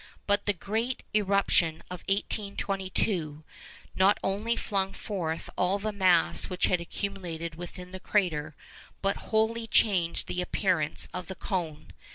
But the great eruption of 1822 not only flung forth all the mass which had accumulated within the crater, but wholly changed the appearance of the cone.